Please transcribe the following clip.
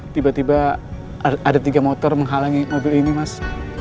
tiba tiba ada tiga motor menghalangi mobil ini mas